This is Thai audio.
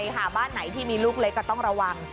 ใช่ค่ะบ้านไหนที่มีลูกเล็กก็ต้องระวัง